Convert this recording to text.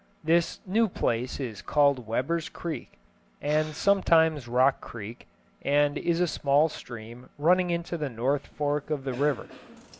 This new place is called Weber's Creek, and sometimes Rock Creek, and is a small stream running into the North Fork of the river.